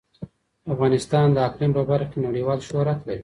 افغانستان د اقلیم په برخه کې نړیوال شهرت لري.